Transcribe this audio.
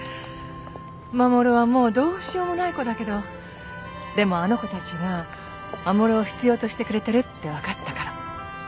護はもうどうしようもない子だけどでもあの子たちが護を必要としてくれてるって分かったから。